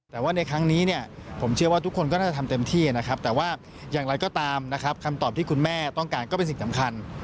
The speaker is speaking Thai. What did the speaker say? แต่ว่าในครั้งนี้เนี่ยผมเชื่อว่าทุกคนก็น่าจะทำเต็มที่นะครับแต่ว่าอย่างไรก็ตามนะครับคำตอบที่คุณแม่ต้องการก็เป็นสิ่งสำคัญ